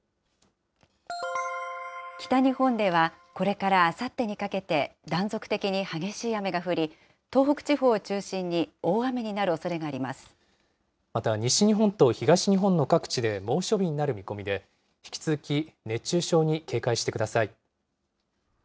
北日本ではこれからあさってにかけて、断続的に激しい雨が降り、東北地方を中心に大雨になるまた西日本と東日本の各地で猛暑日になる見込みで、引き続き熱中症に警戒してください。